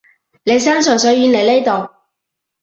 你山長水遠嚟呢度